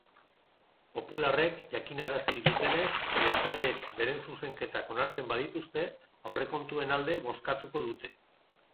Popularrek jakinarazi dutenez, jeltzaleek beren zuzenketak onartzen badituzte aurrekontuen alde bozkatuko dute.